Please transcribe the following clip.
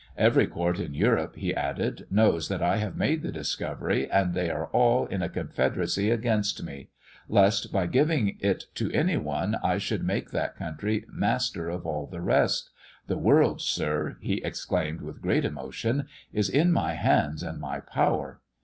Every court in Europe,' he added, 'knows that I have made the discovery, and they are all in a confederacy against me; lest, by giving it to any one, I should make that country master of all the rest the world, Sir,' he exclaimed with great emotion, 'is in my hands, and my power.'"